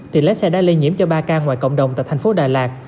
thì lái xe đã lây nhiễm cho ba ca ngoài cộng đồng tại thành phố đà lạt